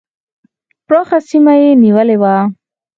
پراخه سیمه یې نیولې وه.